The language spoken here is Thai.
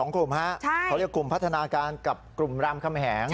เขาเรียกกลุ่มพัฒนาการกับกลุ่มรามคำแหง